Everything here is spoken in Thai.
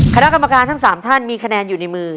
คณะกรรมการทั้ง๓ท่านมีคะแนนอยู่ในมือ